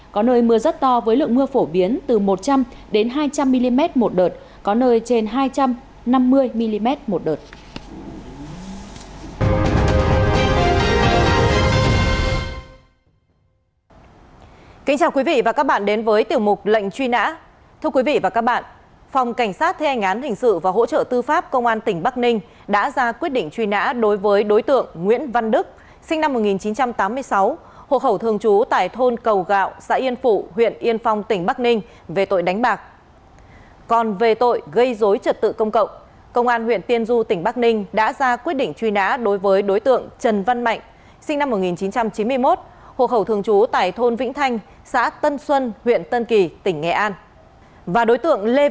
có nơi mưa rất to với lượng mưa phổ biến từ một trăm linh hai trăm linh mm một đợt có nơi trên hai trăm năm mươi mm một đợt